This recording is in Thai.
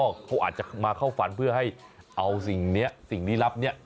เขาอาจจะมาเข้าฝันเพื่อให้เอาสิ่งนี้สิ่งลี้ลับเนี่ย